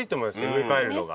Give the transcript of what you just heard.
植え替えるのが。